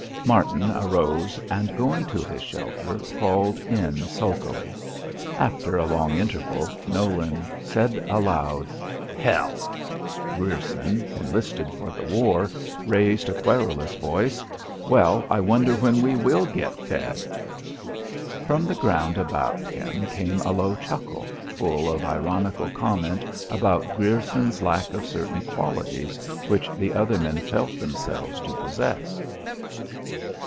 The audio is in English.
Martin arose and, going to his shelter, crawled in sulkily. After a long interval Nolan said aloud, "Hell!" Grierson, enlisted for the war, raised a querulous voice. "Well, I wonder when we will git fed?" From the ground about him came a low chuckle, full of ironical comment upon Grierson's lack of certain qualities which the other men felt themselves to possess.